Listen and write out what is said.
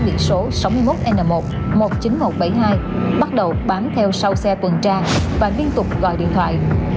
biển số sáu mươi một n một một mươi chín nghìn một trăm bảy mươi hai bắt đầu bám theo sau xe tuần tra và liên tục gọi điện thoại